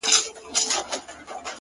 خاوري دي ژوند سه; دا دی ارمان دی;